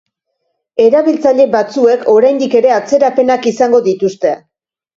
Erabiltzaile batzuek oraindik ere atzerapenak izango dituzte.